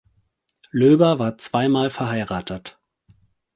Löber war zweimal verheiratet.